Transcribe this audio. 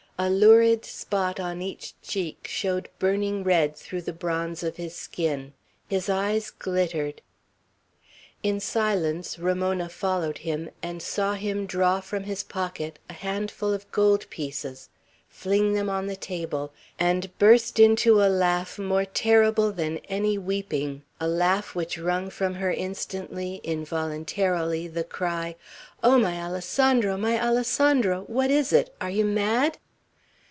A lurid spot on each cheek showed burning red through the bronze of his skin. His eyes glittered. In silence Ramona followed him, and saw him draw from his pocket a handful of gold pieces, fling them on the table, and burst into a laugh more terrible than any weeping, a laugh which wrung from her instantly, involuntarily, the cry, "Oh, my Alessandro! my Alessandro! What is it? Are you mad?"